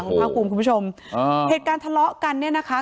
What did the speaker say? ของความคุมคุณผู้ชมเหตุการถละกันเนี่ยนะคะ